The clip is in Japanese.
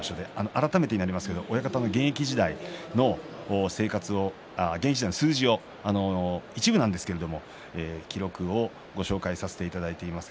改めてになりますが親方の現役時代の数字を一部なんですが記録をご紹介させていただいています。